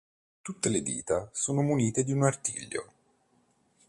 Tutte le dita sono munite di un artiglio.